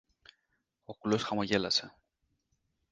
Ο κουλός χαμογέλασε.